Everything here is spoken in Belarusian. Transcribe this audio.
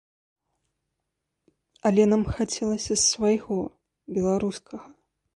Але нам хацелася свайго, беларускага!